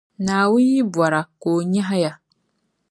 Naawuni yi bɔra, ka o nyɛhi ya.